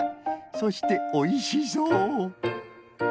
そしておいしそう。